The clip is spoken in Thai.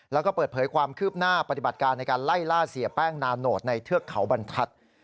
แล้วก็เปิดเผยความคืบหน้าปฏิบัติการในการไล่ล่าเสียแป้งนาโนตในเทือกเขาบรรทัศน์